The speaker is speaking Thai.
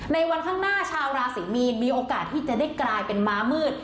วันข้างหน้าชาวราศรีมีนมีโอกาสที่จะได้กลายเป็นม้ามืด